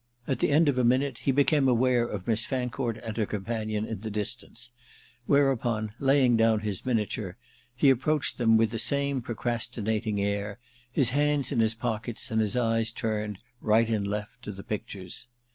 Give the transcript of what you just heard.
At the end of a minute he became aware of Miss Fancourt and her companion in the distance; whereupon, laying down his miniature, he approached them with the same procrastinating air, his hands in his pockets and his eyes turned, right and left, to the pictures.